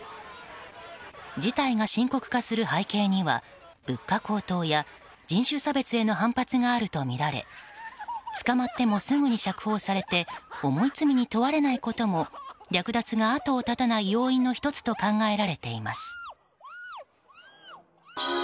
事態が深刻化する背景には物価高騰や人種差別への反発があるとみられ捕まってもすぐに釈放されて重い罪に問われないことも略奪が後を絶たない要因の１つと考えられています。